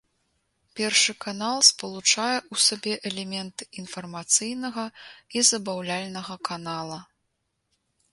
Першы канал спалучае ў сабе элементы інфармацыйнага і забаўляльнага канала.